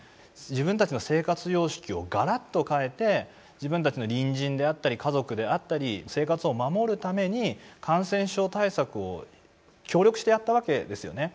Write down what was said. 自分たちの生活様式をがらっと変えて自分たちの隣人であったり家族であったり生活を守るために感染症対策を協力してやったわけですよね。